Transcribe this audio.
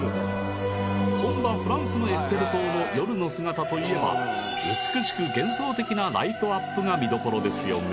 本場・フランスのエッフェル塔の夜の姿と言えば美しく幻想的なライトアップが見どころですよね